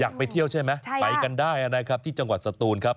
ไปเที่ยวใช่ไหมไปกันได้นะครับที่จังหวัดสตูนครับ